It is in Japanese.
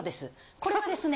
これはですね。